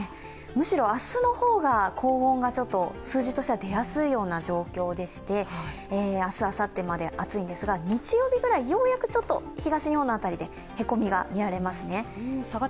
むしろ明日の方が高温が数字としては出やすいような状況でして明日あさってまで暑いんですが、日曜日くらい、ようやくちょっと東日本の辺りでへこみが見られます。